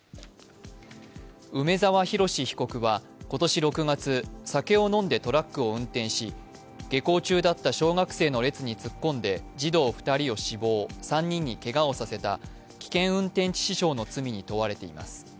梅沢洋被告は今年６月、酒を飲んでトラックを運転し、下校中だった小学生の列に突っこんで児童２人を死亡、３人にけがをさせた危険運転致死傷の罪に問われています。